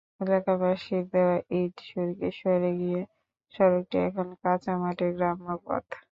এলাকাবাসীর দেওয়া ইট-সুরকি সরে গিয়ে সড়কটি এখন কাঁচা মাটির গ্রাম্য পথ।